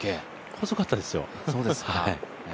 細かったですよ。